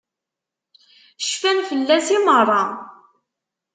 Cfan fell-as i meṛṛa.